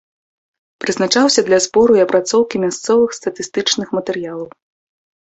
Прызначаўся для збору і апрацоўкі мясцовых статыстычных матэрыялаў.